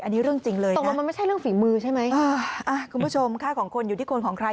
อันนี้เรื่องจริงเลยนะคุณผู้ชมค่าของคนอยู่ที่คนของใคร